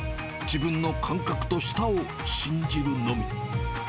自分の感覚と舌を信じるのみ。